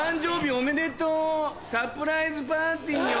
おめでとうサプライズパーティーよ。